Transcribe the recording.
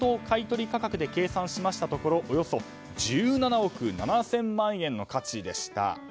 買い取り価格で計算しましたところおよそ１７億７０００万円の価値でした。